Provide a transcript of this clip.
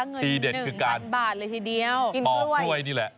เงินหนึ่งพันบาทเลยทีเดียวกินข้วยนี่แหละ